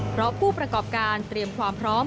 เพราะผู้ประกอบการเตรียมความพร้อม